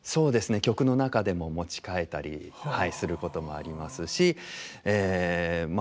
曲の中でも持ち替えたりすることもありますしまあ